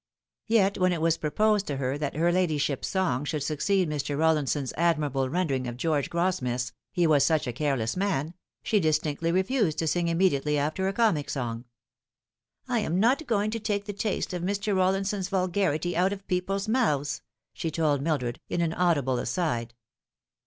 Yet when it was proposed that her ladyship's song should succeed Mr. Eollinson's admirable rendering of George Gros smith's " He was such a Careless Man," she distinctly refused to sing immediately after a comic song. '' I am not going to take the taste of Mr. Rollinson's vulgarity out of people's mouths," she told Mildred, in an audible aside.